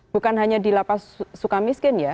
bukan hanya di lapas suka miskin ya